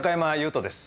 人です。